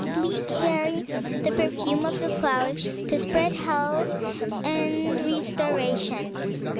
We carry the perfume of the flowers to spread health and restoration.